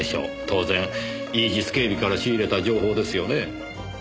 当然イージス警備から仕入れた情報ですよね？